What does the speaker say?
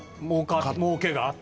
もうけがあった。